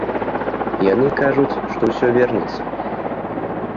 Яны кажуць, што ўсё вернецца.